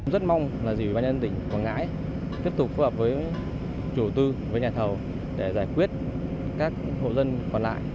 rất mong là ủy ban nhân tỉnh quảng ngãi tiếp tục phù hợp với chủ tư với nhà thầu để giải quyết các hộ dân còn lại